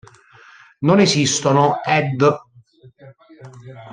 Non esistono…”, ed.